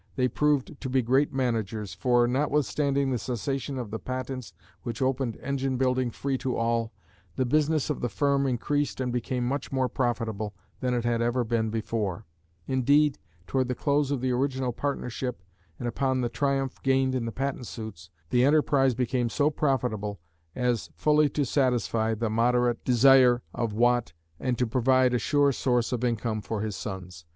They proved to be great managers, for notwithstanding the cessation of the patents which opened engine building free to all, the business of the firm increased and became much more profitable than it had ever been before; indeed toward the close of the original partnership, and upon the triumph gained in the patent suits, the enterprise became so profitable as fully to satisfy the moderate desire of Watt, and to provide a sure source of income for his sons.